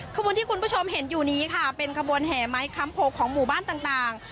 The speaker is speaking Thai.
ขบวนที่คุณผู้ชมเห็นอยู่นี้ค่ะเป็นขบวนแห่ไม้คำโพกของหมู่บ้านต่าง